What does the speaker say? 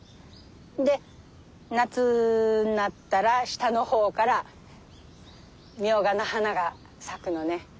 で夏になったら下の方からミョウガの花が咲くのね。